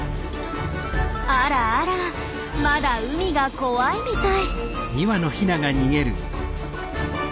あらあらまだ海が怖いみたい。